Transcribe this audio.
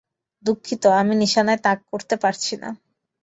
দুঃখিত, আমি নিশানায় তাক করতে পারছি না।